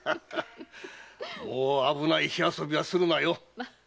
もう危ない火遊びはするなよ。